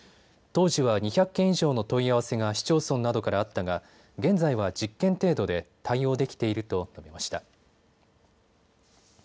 当時は２００件以上の問い合わせが市町村などからあったが現在は１０件程度で対応できていると述べました。